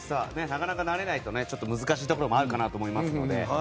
なかなか慣れないと難しいところもあるかなと思いますので。